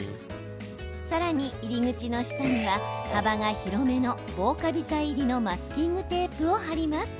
さらに、入り口の下には幅が広めの防カビ剤入りのマスキングテープを貼ります。